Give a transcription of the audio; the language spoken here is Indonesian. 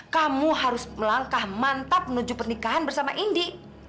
kamu harus melangkah mantap menuju pernikahan bersama indi